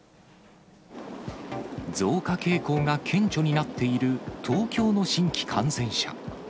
増加傾向が顕著になっている東京の新規感染者。